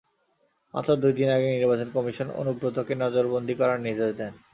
মাত্র দুই দিন আগে নির্বাচন কমিশন অনুব্রতকে নজরবন্দী করার নির্দেশ দেন।